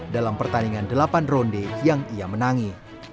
dalam pertandingan delapan ronde yang ia menangi